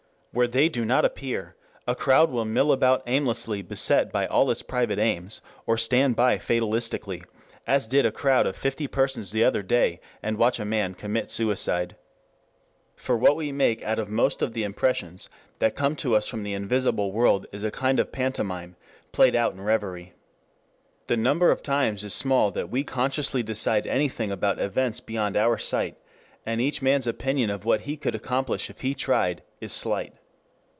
Where they do not appear a crowd will mill about aimlessly beset by all its private aims, or stand by fatalistically, as did a crowd of fifty persons the other day, and watch a man commit suicide. For what we make out of most of the impressions that come to us from the invisible world is a kind of pantomime played out in revery. The number of times is small that we consciously decide anything about events beyond our sight, and each man's opinion of what he could accomplish if he tried, is slight.